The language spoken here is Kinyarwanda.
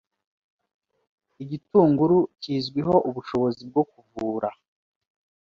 igitunguru kizwiho ubushobozi bwo kuvura